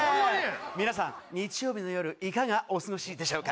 皆さん、日曜日の夜、いかがお過ごしでしょうか。